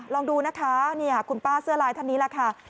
ลองดูนะคะคุณป้าเสื้อลายท่านนี้แหละค่ะ